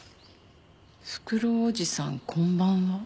「ふくろうおじさん、こんばんは」。